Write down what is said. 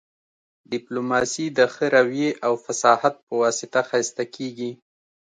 ډیپلوماسي د ښه رويې او فصاحت په واسطه ښایسته کیږي